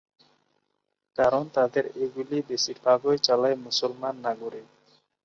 কারণ তাদের এগুলি বেশির ভাগই চালায় মুসলমান নাগরিক।